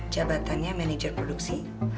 jabatannya manajer produksi